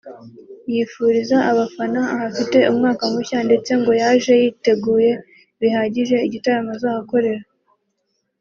yifuriza abafana ahafite umwaka mushya ndetse ngo yaje yiteguye bihagije igitaramo azahakorera